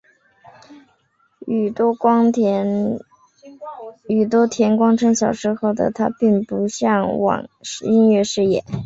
宇多田光称小时候的她并不向往音乐事业。